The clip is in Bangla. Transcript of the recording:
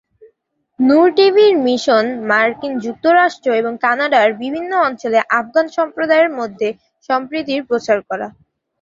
নূর টিভির মিশন মার্কিন যুক্তরাষ্ট্র এবং কানাডার বিভিন্ন অঞ্চলে আফগান সম্প্রদায়ের মধ্যে সম্প্রীতির প্রচার করা।